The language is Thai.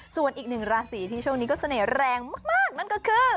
ส่วนอีกหนึ่งราศีที่ช่วงนี้ก็เสน่ห์แรงมากนั่นก็คือ